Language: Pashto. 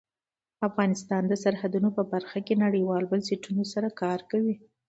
افغانستان د سرحدونه په برخه کې نړیوالو بنسټونو سره کار کوي.